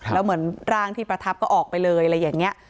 แล้วเหมือนร่างที่ประทับก็ออกไปเลยอะไรอย่างนี้